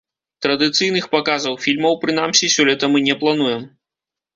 Традыцыйных паказаў фільмаў, прынамсі, сёлета мы не плануем.